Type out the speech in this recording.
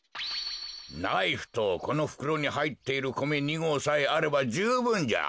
ナイフとこのふくろにはいっているこめ２ごうさえあればじゅうぶんじゃ。